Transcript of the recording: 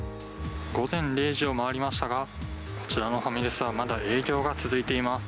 午前０時を回りましたが、こちらのファミレスはまだ営業が続いています。